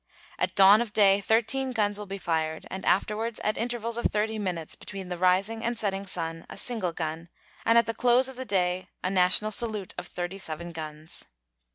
At dawn of day thirteen guns will be fired, and afterwards at intervals of thirty minutes, between the rising and setting sun a single gun, and at the close of the day a national salute of thirty seven guns.